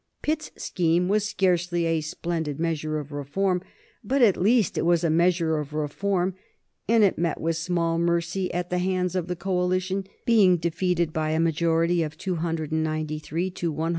Pitt's scheme was scarcely a splendid measure of reform; but at least it was a measure of reform, and it met with small mercy at the hands of the coalition, being defeated by a majority of 293 to 149.